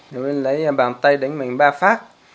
nó mới lấy bàn tay đánh mình ba phát